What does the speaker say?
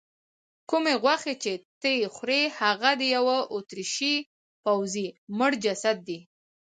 کومې غوښې چې ته یې خورې هغه د یوه اتریشي پوځي مړ جسد دی.